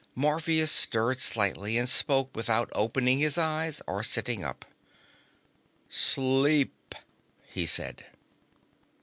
Morpheus stirred slightly and spoke without opening his eyes or sitting up. "Sleep," he said.